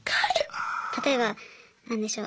例えば何でしょう